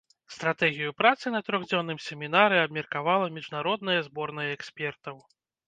Стратэгію працы на трохдзённым семінары абмеркавала міжнародная зборная экспертаў.